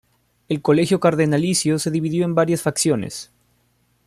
El Colegio cardenalicio se dividió en varias facciones.